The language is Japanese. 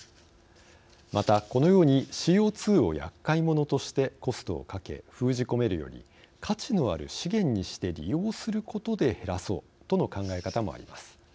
また、このようにＣＯ２を厄介物としてコストをかけ封じ込めるより価値のある資源にして利用することで減らそうとの考え方もあります。